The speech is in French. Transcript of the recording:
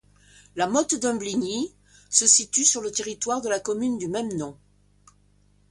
La Motte d'Humbligny se situe sur le territoire de la commune du même nom.